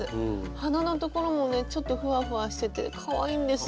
鼻のところもねちょっとフワフワしててかわいいんですよ。